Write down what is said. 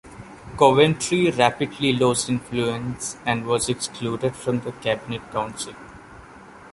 Coventry rapidly lost influence and was excluded from the cabinet council.